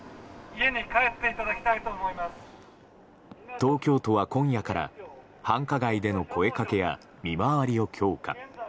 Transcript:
東京都は今夜から繁華街での声掛けや見回りを強化。